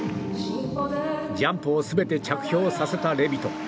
ジャンプを全て着氷させたレビト。